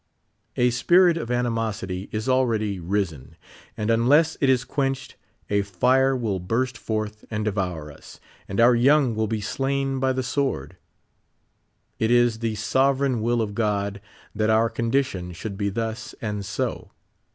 A spirit of animosity is already risen, and unless it is quenched, a fire will burst forth and devour us, and our young will be slain by the sword. It is the sover eign will of God that our condition should be thus and so.